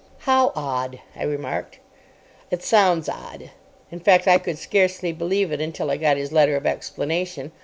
"How odd!" I remarked. "It sounds odd; in fact, I could scarcely believe it until I got his letter of explanation.